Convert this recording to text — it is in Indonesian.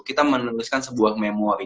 kita menuliskan sebuah memory